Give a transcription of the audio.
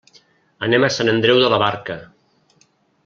Anem a Sant Andreu de la Barca.